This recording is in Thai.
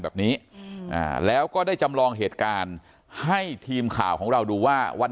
แบบนี้แล้วก็ได้จำลองเหตุการณ์ให้ทีมข่าวของเราดูว่าวัน